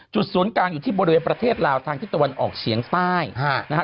ศูนย์กลางอยู่ที่บริเวณประเทศลาวทางที่ตะวันออกเฉียงใต้นะฮะ